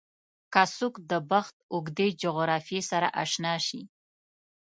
که څوک د بحث اوږدې جغرافیې سره اشنا شي